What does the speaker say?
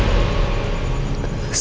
saya ingin menjadi kaya raya